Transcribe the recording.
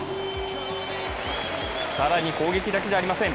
更に、攻撃だけじゃありません。